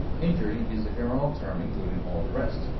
Injury is the general term including all the rest.